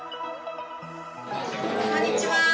「こんにちは。